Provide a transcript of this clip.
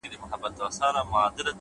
هره لاسته راوړنه لومړی خیال و’